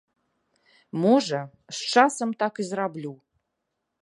Можа, з часам так і зраблю.